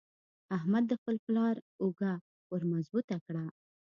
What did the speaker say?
احمد د خپل پلار اوږه ور مضبوطه کړه.